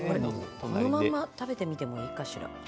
このまま食べてみてもいいかしら。